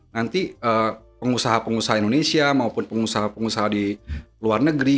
nanti pengusaha pengusaha indonesia maupun pengusaha pengusaha di luar negeri